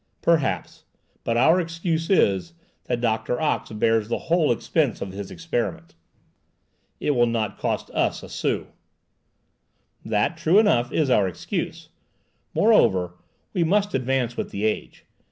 "Perhaps. But our excuse is, that Doctor Ox bears the whole expense of his experiment. It will not cost us a sou." "That, true enough, is our excuse. Moreover, we must advance with the age.